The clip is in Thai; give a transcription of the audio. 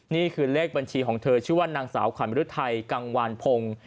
นี่คือเลขบัญชีของเธอชื่อว่านางสาวขวัญฤทัยกังวานพงศ์